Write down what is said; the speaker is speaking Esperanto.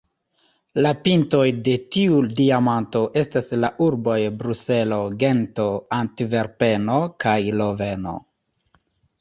La pintoj de tiu diamanto estas la urboj Bruselo, Gento, Antverpeno kaj Loveno.